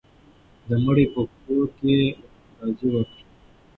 د مړي په کور کې غمرازي وکړئ.